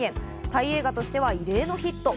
タイ映画としては異例のヒット。